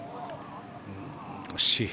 惜しい。